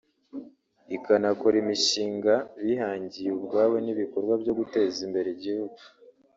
ikanakora imishinga bihangiye ubwabo n’ibikorwa byo guteza imbere igihugu